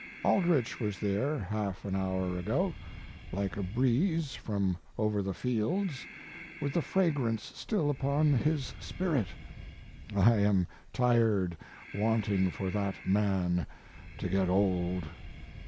Aldrich was here half an hour ago, like a breeze from over the fields, with the fragrance still upon his spirit. I am tired wanting for that man to get old.